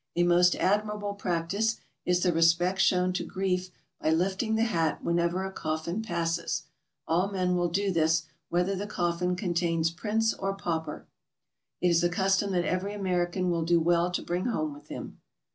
A most admirable practice is the respect shown to grief by lifting the hat when ever a coffin passes; all men will do this, whether the coffin contains prince or pauper. It is a custom that every Ameri can will do well to bring home with him.